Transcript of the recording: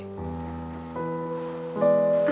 ibu bisa berhenti